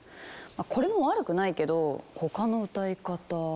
これも悪くないけど他の歌い方。